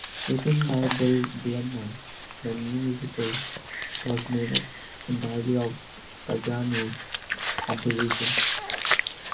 Written by Bill Blenman, the new musical was made up entirely of Kajanus compositions.